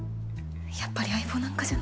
やっぱり相棒なんかじゃない。